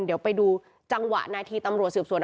เดี๋ยวไปดูจังหวะนาทีตำรวจสืบสวน